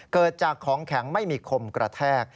เกิดจากของแข็งไม่มีคมกระแทก